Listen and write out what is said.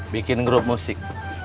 bikin grup musik